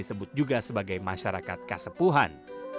ini khususnya untuk music nyangka merohokan